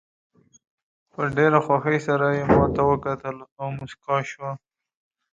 په ډېره خوښۍ سره یې ماته وکتل او موسکاه شوه.